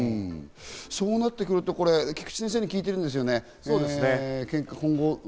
そうなってくると、菊地先生に聞いてるんですよね、これ。